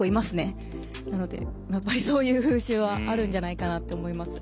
なのでやっぱりそういう風習はあるんじゃないかなって思います。